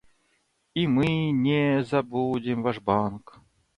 И мы не забудем ваш банк.